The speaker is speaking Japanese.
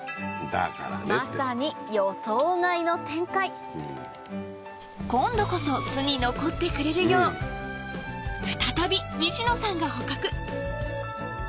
まさに今度こそ巣に残ってくれるよう再び西野さんが捕獲